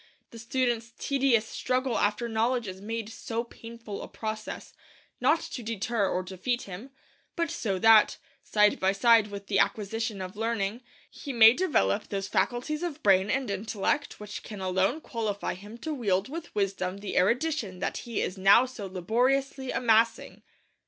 The student's tedious struggle after knowledge is made so painful a process, not to deter or defeat him, but so that, side by side with the acquisition of learning, he may develop those faculties of brain and intellect which can alone qualify him to wield with wisdom the erudition that he is now so laboriously amassing.